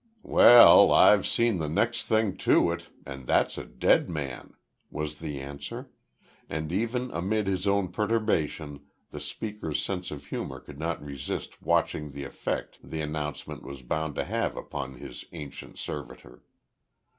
"Well, I've seen the next thing to it, and that's a dead man," was the answer; and even amid his own perturbation, the speaker's sense of humour could not resist watching the effect the announcement was bound to have upon his ancient servitor.